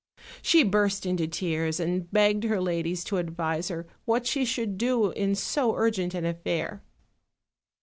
She burst into tears, and begged her ladies to advise her what she should do in so urgent an affair.